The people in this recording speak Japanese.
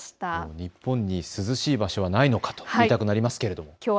日本に涼しい場所はないのかと言いたくなりますね。